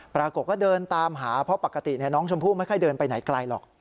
ปรากฏว่าเดินตามหาเพราะปกติน้องชมพู่ไม่ค่อยเดินไปไหนไกลหรอก